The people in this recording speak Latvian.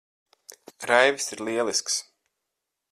Raivis ir lielisks.